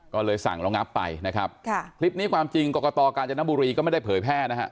ก็เลยสั่งระงับไปนะครับค่ะคลิปนี้ความจริงกรกตกาญจนบุรีก็ไม่ได้เผยแพร่นะฮะ